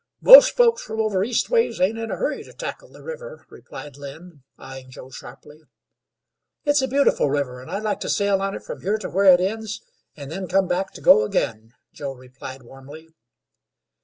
"Most folks from over Eastways ain't in a hurry to tackle the river," replied Lynn, eyeing Joe sharply. "It's a beautiful river, and I'd like to sail on it from here to where it ends, and then come back to go again," Joe replied, warmly.